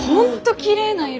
きれいな色。